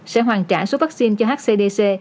sẽ hoàn trả số vaccine cho hcdc